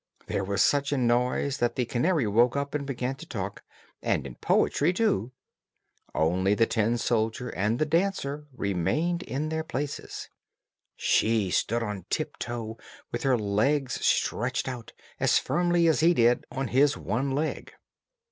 There was such a noise that the canary woke up and began to talk, and in poetry too. Only the tin soldier and the dancer remained in their places. She stood on tiptoe, with her legs stretched out, as firmly as he did on his one leg.